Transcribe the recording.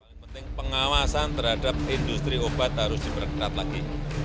paling penting pengawasan terhadap industri obat harus diperketat lagi